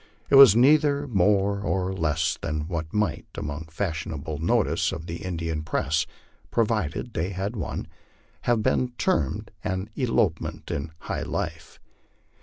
It was neither more nor less than what might, among fashionable notices in the Indian press provided they hacl one have been termed an elopement in high life.